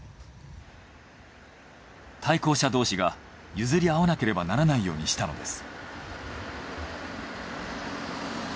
対向車同士が譲り合わなければならないようにしたのです。